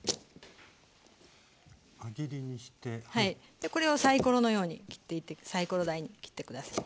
でこれをサイコロのようにサイコロ大に切って下さい。